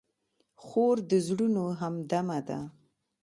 خور د زړونو همدمه ده.